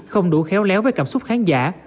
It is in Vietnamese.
không đủ khéo léo với cảm xúc khán giả